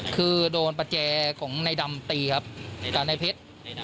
คือโดนปัจแจของในดำตีครับกับในเพ็ด